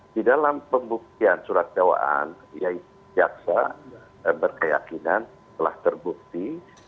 di dalam pembuktian surat dakwaan ya jaksa berkeyakinan telah terbukti